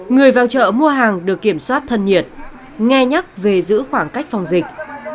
người vào chợ mua hàng được kiểm soát thân nhiệt nghe nhắc về giữ khoảng cách phòng dịch